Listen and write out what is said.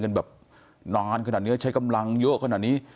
กันแบบนานขนาดนี้ใช้กำลังเยอะขนาดนี้